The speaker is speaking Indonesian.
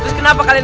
aku sudah selesai